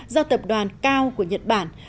do tập đoàn cao của nhật bản